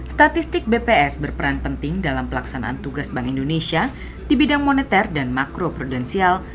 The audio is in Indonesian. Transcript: statistik bps berperan penting dalam pelaksanaan tugas bank indonesia di bidang moneter dan makro prudensial